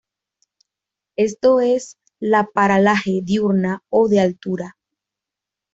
Esto es la paralaje diurna o de altura.